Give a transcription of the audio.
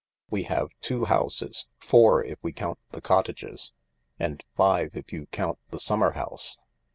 We have two houses— four if we count the cottages, and five if you count the summer house.